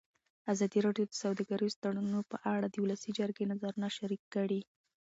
ازادي راډیو د سوداګریز تړونونه په اړه د ولسي جرګې نظرونه شریک کړي.